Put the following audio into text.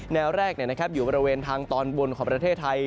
แววแรกอยู่บริเวณทางตอนบนของประเทศไทย